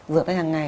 rửa tay hàng ngày